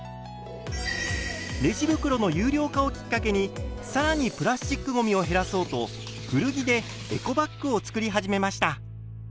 レジ袋の有料化をきっかけに更にプラスチックごみを減らそうと古着でエコバッグを作り始めました。